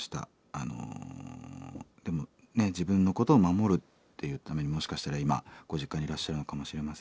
あのでもね自分のことを守るっていうためにもしかしたら今ご実家にいらっしゃるのかもしれませんけれども。